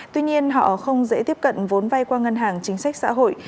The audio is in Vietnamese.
tuy nhiên họ không dễ tiếp cận vốn vay qua ngân hàng chính sách xã hội